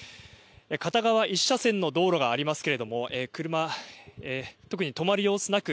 片側１車線の道路がありますけど車、特に止まる様子なく